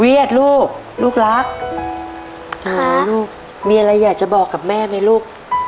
ลูกลูกรักลูกมีอะไรอยากจะบอกกับแม่ไหมลูก